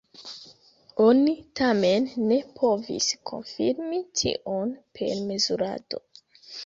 Oni tamen ne povis konfirmi tion per mezurado.